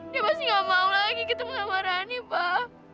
dia pasti gak mau lagi ketemu sama rani pak